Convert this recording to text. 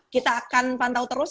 kita akan pantau terus